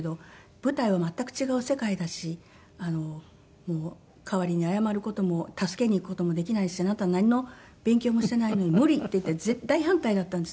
舞台は全く違う世界だし代わりに謝る事も助けに行く事もできないし「あなたなんの勉強もしていないのに無理」って言って絶対反対だったんです。